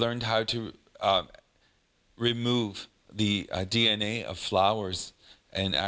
เป็นกลิ่นที่คุณฟิลิปบอกว่า